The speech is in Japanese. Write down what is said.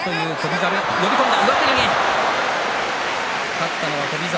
勝ったのは翔猿。